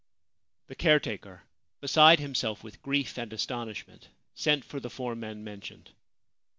The caretaker, beside himself with grief and astonish ment, sent for the four men mentioned.